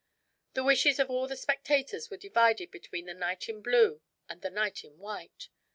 The wishes of all the spectators were divided between the knight in blue and the knight in white.